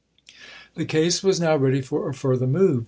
The case was now ready for a further move.